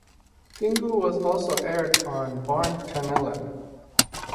Pingu was also aired on Barnkanalen.